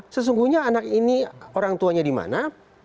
sesungguhnya anak ini orang tuanya di mana